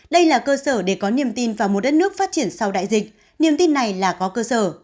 đây là cơ sở để có niềm tin vào một đất nước phát triển sau đại dịch niềm tin này là có cơ sở